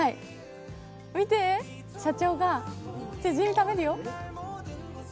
見て、社長が、チヂミ食べるよ。